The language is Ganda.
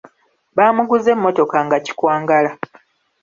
Baamuguza emmotoka nga kikwangala.